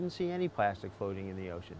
dan tidak ada plastik yang bisa terlihat di laut